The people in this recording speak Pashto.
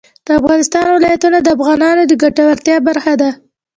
د افغانستان ولايتونه د افغانانو د ګټورتیا برخه ده.